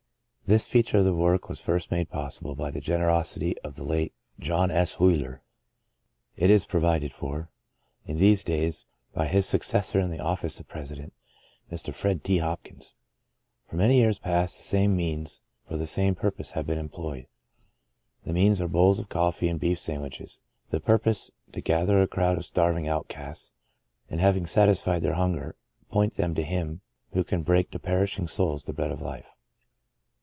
This feature of the work was first made possible by the generosity of the late John S. Huyler ; it is provided for, in these days, by his successor in the office of president — Mr. Ferd. T. Hopkins. For many years past, the same means for the same purpose have been employed. The means are bowls of coffee and beef sand wiches — the purpose, to gather a crowd of starving outcasts, and having satisfied their hunger, point them to Him who can break to perishing souls the Bread of Life.